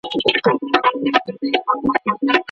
تدریسي نصاب پرته له پلانه نه پراخیږي.